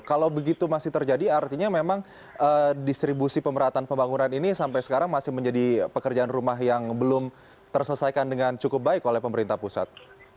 kalau begitu masih terjadi artinya memang distribusi pemerataan pembangunan ini sampai sekarang masih menjadi pekerjaan rumah yang belum terselesaikan dengan cukup baik oleh pemerintah pusat